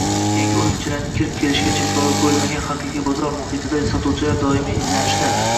yangi o‘yinchilarning kirib kelishiga cheklovlar qo‘yilmagan haqiqiy bozor muhitida sotuvchilar doimiy izlanishda